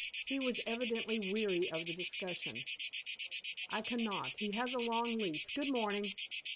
He was evidently weary of the discussion. "I cannot. He has a long lease. Good morning."